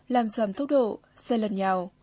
làm giảm tốc độ xe lật nhào